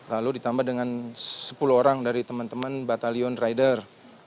lalu ditambah dengan sepuluh orang dari teman teman batalion rider